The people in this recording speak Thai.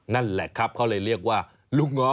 นั่นแหละครับเขาเลยเรียกว่าลูกง้อ